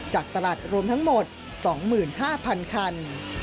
จากตลาดรวมทั้งหมด๒๕๐๐๐คัน